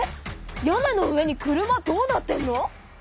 屋根の上に車どうなってんの？